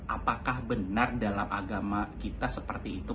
apakah benar dalam agama kita seperti itu pak ustadz